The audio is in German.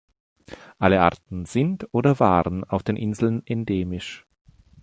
Alle Arten sind oder waren auf Inseln endemisch.